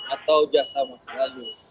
atau jasa masa lalu